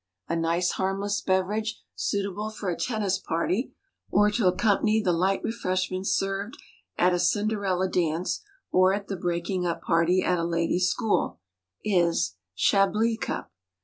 A nice, harmless beverage, suitable for a tennis party, or to accompany the "light refreshments" served at a "Cinderella" dance, or at the "breaking up" party at a ladies' school, is Chablis Cup.